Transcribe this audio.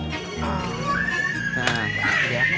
nah pak ustadz rw